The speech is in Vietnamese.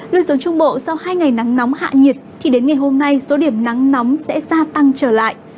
lưu xuống trung bộ sau hai ngày nắng nóng hạ nhiệt thì đến ngày hôm nay số điểm nắng nóng sẽ gia tăng trở lại